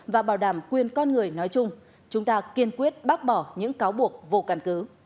và bảo đảm quyền con người nói chung chúng ta kiên quyết bác bỏ những cáo buộc vô cản cứ